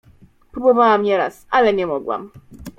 — Próbowałam nieraz, ale nie mogłam.